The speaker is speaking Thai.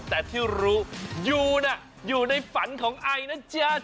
แต่ที่รู้ยูน่ะอยู่ในฝันของไอนะจ๊ะ